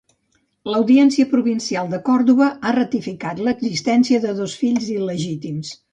L'Audiència Provincial de Còrdova ha ratificat l'existència de dos fills il·legítims.